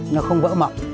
nó không vỡ mọc